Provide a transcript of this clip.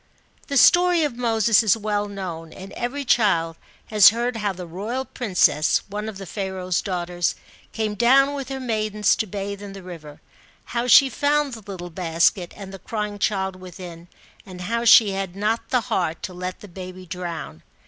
The story of Moses is well know, and every child has heard how the royal princess, one of Pharaoh's daughters, came down with her maidens, to bathe in the river. How she found the little basket and the crying child within, and how she had not the heart to let the baby drown.